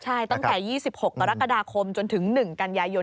ใช่ตั้งแต่๒๖กรกฎาคมจนถึง๑กันยายน